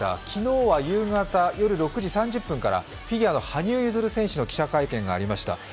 昨日は夕方、夜６時３０分からフィギュアの羽生結弦選手の記者会見がありました。